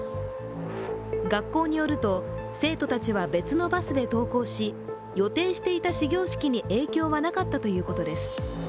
学校によると、生徒たちは別のバスで登校し、予定していた始業式に影響はなかったということです。